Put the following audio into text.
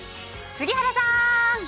杉原さん！